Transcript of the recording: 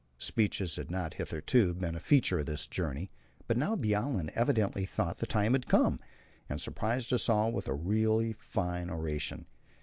Speeches had not hitherto been a feature of this journey, but now Bjaaland evidently thought the time had come, and surprised us all with a really fine oration.